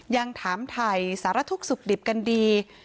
ยังถามถ่ายสารทุกข์สุขดิบกันดี